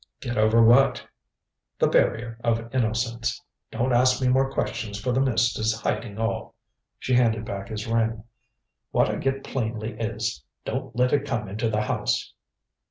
"Get over what?" "The barrier of innocence. Don't ask me more questions for the mist is hiding all." She handed back his ring. "What I get plainly is: Don't let It come into the house."